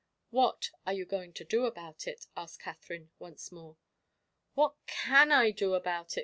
"What are you going to do about it?" asked Katherine, once more. "What can I do about it?"